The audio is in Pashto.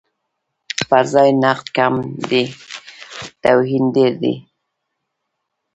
پرځای نقد کم دی، توهین ډېر دی.